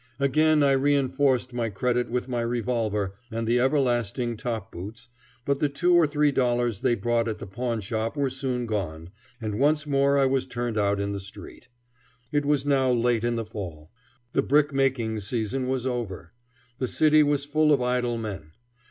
Again I reenforced my credit with my revolver and the everlasting top boots, but the two or three dollars they brought at the pawnshop were soon gone, and once more I was turned out in the street. It was now late in the fall. The brick making season was over. The city was full of idle men.